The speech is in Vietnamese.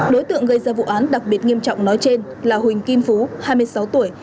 đối tượng gây ra vụ án đặc biệt nghiêm trọng nói trên là huỳnh kim phú hai mươi sáu tuổi